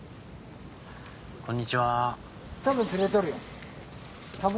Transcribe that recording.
こんにちは。